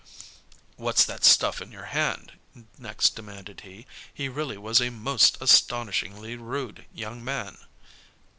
"What's that stuff in your hand?" next demanded he. He really was a most astonishingly rude young man.